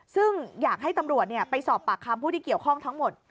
ซึ่งอยากให้ตำรวจไปสอบปากคำผู้ที่เกี่ยวข้องทั้งหมด